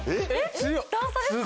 段差ですよ。